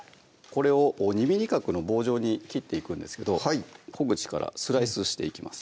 これを２ｍｍ角の棒状に切っていくんですけど小口からスライスしていきます